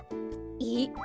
えっ？